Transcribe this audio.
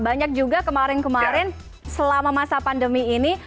banyak juga kemarin kemarin selama masa pandemi ini